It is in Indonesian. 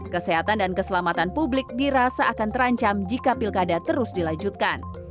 kesehatan dan keselamatan publik dirasa akan terancam jika pilkada terus dilanjutkan